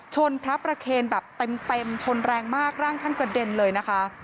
พระประเคนแบบเต็มชนแรงมากร่างท่านกระเด็นเลยนะคะ